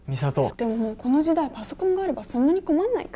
でももうこの時代パソコンがあればそんなに困んないか。